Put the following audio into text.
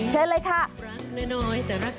เชิญเลยค่ะ